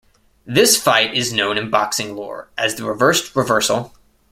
This fight is known in boxing lore as The reversed reversal.